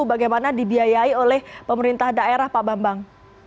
bagaimana dibiayai oleh pemerintah daerah pak bambang